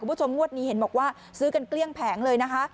งวดนี้เห็นบอกว่าซื้อกันเกลี้ยงแผงเลยนะคะ